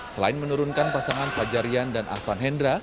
selain menurunkan pasangan fajarian dan ahsan hendra